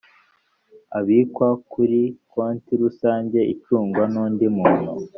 abikwa kuri konti rusange icungwa n’ undi muntu